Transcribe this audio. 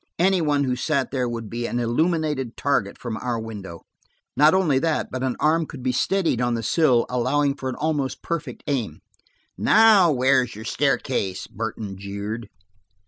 Any one who sat there would be an illuminated target from our window. Not only that, but an arm could be steadied on the sill, allowing for an almost perfect aim. "Now, where's your staircase?" Burton jeered.